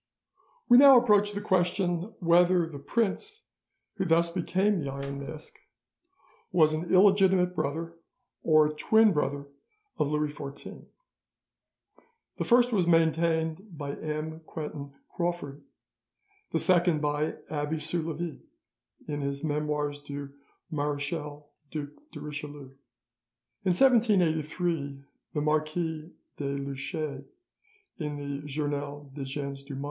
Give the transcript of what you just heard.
We now approach the question whether the prince who thus became the Iron Mask was an illegitimate brother or a twin brother of Louis XIV. The first was maintained by M. Quentin Crawfurd; the second by Abbe Soulavie in his 'Memoires du Marechal Duc de Richelieu' (London, 1790). In 1783 the Marquis de Luchet, in the 'Journal des Gens du Monde' (vol.